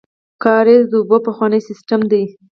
کاریز د اوبو پخوانی سیستم دی